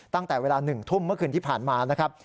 ตั้งแต่เวลา๑ทุ่มเมื่อคืนที่ผ่านมานะครับ